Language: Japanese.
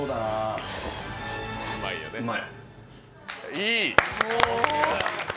いい！